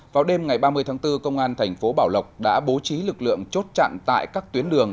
vào đêm ngày ba mươi tháng bốn công an thành phố bảo lộc đã bố trí lực lượng chốt chặn tại các tuyến đường